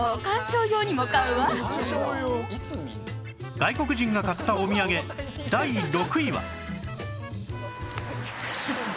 外国人が買ったお土産第６位は